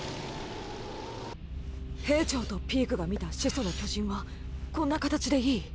兵長とピークが見た「始祖の巨人」はこんな形でいい？